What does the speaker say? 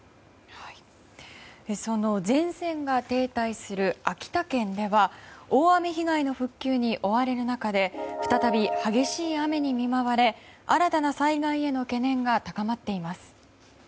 その前線が停滞する秋田県では大雨被害の復旧に追われる中で再び激しい雨に見舞われ新たな災害への懸念が高まっています。